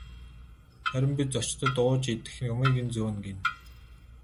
Харин би зочдод ууж идэх юмыг нь зөөнө гэнэ.